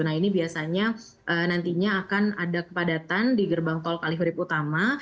nah ini biasanya nantinya akan ada kepadatan di gerbang tol kalihurip utama